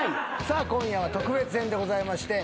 さあ今夜は特別編でございまして。